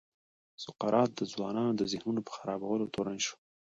سقراط د ځوانانو د ذهنونو په خرابولو تورن شو.